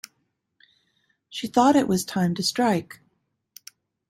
She thought it time to strike.